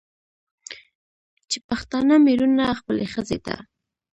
چې پښتانه مېړونه خپلې ښځې ته